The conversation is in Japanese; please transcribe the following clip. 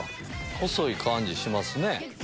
細い感じしますね。